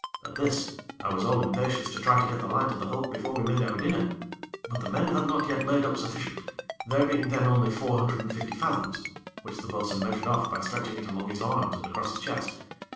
At this, I was all impatience to try to get the line to the hulk before we made our dinner; but the men had not yet laid up sufficient; there being then only four hundred and fifty fathoms (which the bo'sun measured off by stretching it along his arms and across his chest).